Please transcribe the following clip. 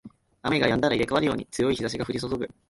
雨が止んだら入れ替わるように強い日差しが降りそそぐ